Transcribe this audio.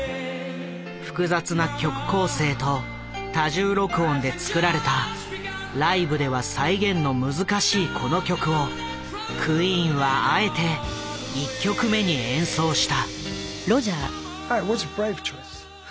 複雑な曲構成と多重録音でつくられたライブでは再現の難しいこの曲をクイーンはあえて１曲目に演奏した。